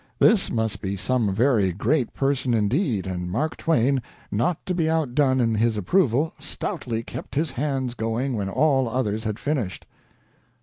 This must be some very great person indeed, and Mark Twain, not to be outdone in his approval, stoutly kept his hands going when all others had finished.